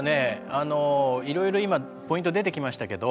あのいろいろ今ポイント出てきましたけど。